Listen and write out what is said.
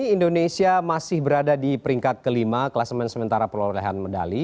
indonesia masih berada di peringkat kelima kelas men sementara perolehan medali